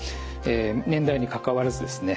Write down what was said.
年代にかかわらずですね